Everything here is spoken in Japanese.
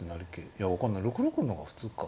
いや分かんない６六の方が普通か。